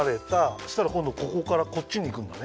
そしたらこんどここからこっちにいくんだね。